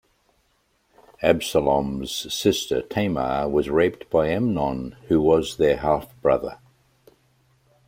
Absalom's sister Tamar was raped by Amnon, who was their half-brother.